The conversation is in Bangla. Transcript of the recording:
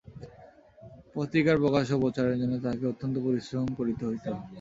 পত্রিকার প্রকাশ ও প্রচারের জন্য তাঁহাকে অত্যন্ত পরিশ্রম করিতে হইত।